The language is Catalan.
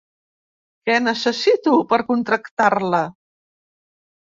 Què necessito per contractar-la?